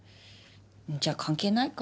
じゃ関係ないか。